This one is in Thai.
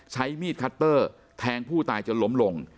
ใช้มีดคัตเตอร์แทงผู้ตายจนล้มลง